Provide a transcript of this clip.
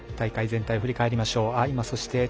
男子の方も大会全体を振り返りましょう。